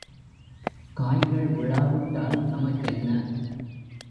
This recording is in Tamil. காய்கள் விழாவிட்டால் நமக்கென்ன?